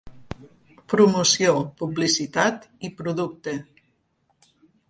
Promoció, Publicitat i Producte.